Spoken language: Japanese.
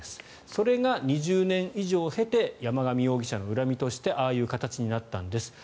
それが２０年以上経て山上容疑者の恨みとしてああいう形になったんです